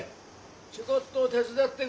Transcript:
ちょこっと手伝ってくれ。